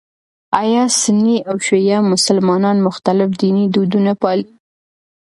ایا سني او شیعه مسلمانان مختلف ديني دودونه پالي؟